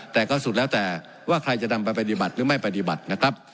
แต่ก็สุดแล้วแต่ว่าใครจะนำไปปฏิบัติหรือไม่ปฏิบัตินะครับ